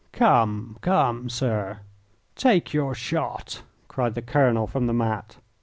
"Come, come, sir, take your shot!" cried the colonel from the mat.